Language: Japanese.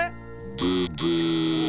ブブー。